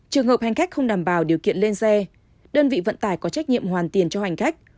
trường hợp hành khách không đảm bảo điều kiện lên xe đơn vị vận tải có trách nhiệm hoàn tiền cho hành khách